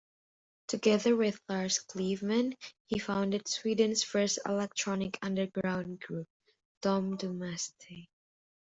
Together with Lars Cleveman, he founded Sweden's first electronic underground group, Dom Dummaste.